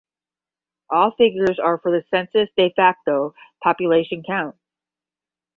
All figures are for the census de facto population count.